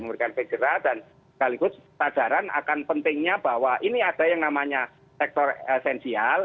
memberikan segera dan sekaligus sadaran akan pentingnya bahwa ini ada yang namanya sektor esensial